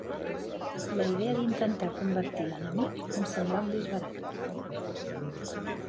La idea d'intentar convertir l'enemic em semblà un disbarat